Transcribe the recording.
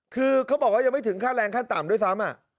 คือเขาบอกว่ายังไม่ถึงค่าแรงขั้นต่ำด้วยซ้ำ